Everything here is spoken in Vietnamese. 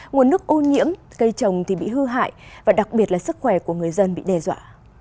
nguồn nước ô nhiễm cây trồng bị hư hại và đặc biệt là sức khỏe của người dân bị đe dọa